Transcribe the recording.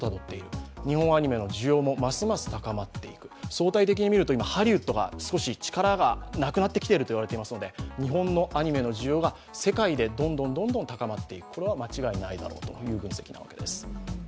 相対的に見ると今ハリウッドが力なくなってきているといわれていますので日本のアニメの需要が世界でどんどん高まっている、これは間違いないだろうという分析です。